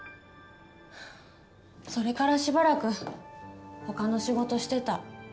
それからしばらくほかの仕事してた。